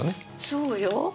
そうよ。